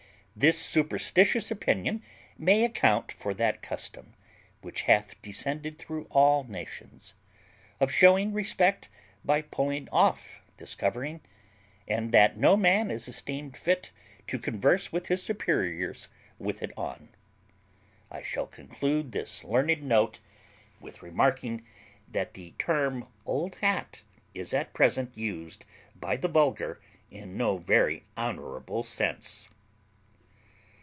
This superstitious opinion may account for that custom, which hath descended through all nations, of shewing respect by pulling off this covering, and that no man is esteemed fit to converse with his superiors with it on. I shall conclude this learned note with remarking that the term old hat is at present used by the vulgar in no very honourable sense.